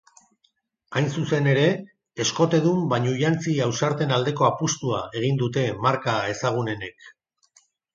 Hain zuzen ere, eskotedun bainujantzi ausarten aldeko apustua egin dute marka ezagunenek.